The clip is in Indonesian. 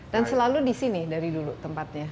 dan selalu di sini dari dulu tempatnya